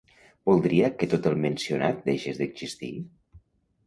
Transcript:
Voldria que tot el mencionat deixés d'existir?